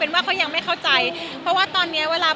เพราะว่ายังไงเป็นความมีปัญหาต่อมาแล้วเหมือนกันนะคะ